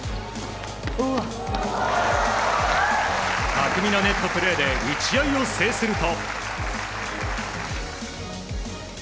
巧みなネットプレーで打ち合いを制すると。